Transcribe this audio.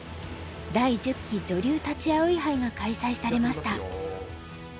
第１０期女流立葵杯が開催されました。